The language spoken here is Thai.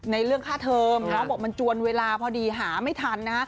เรื่องค่าเทอมน้องบอกมันจวนเวลาพอดีหาไม่ทันนะ